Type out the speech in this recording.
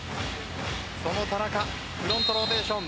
その田中フロントローテーション。